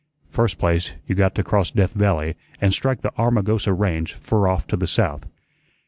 First place, you got to cross Death Valley and strike the Armagosa Range fur off to the south.